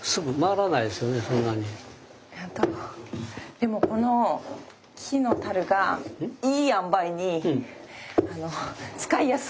でもこの木のたるがいいあんばいに使いやすい。